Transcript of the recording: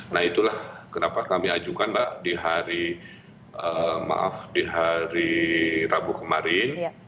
nah itulah kenapa kami ajukan mbak di hari rabu kemarin